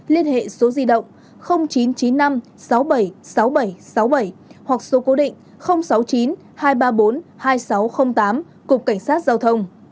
liên hệ số di động chín trăm chín mươi năm sáu mươi bảy sáu nghìn bảy trăm sáu mươi bảy hoặc số cố định sáu mươi chín hai trăm ba mươi bốn hai nghìn sáu trăm linh tám cục cảnh sát giao thông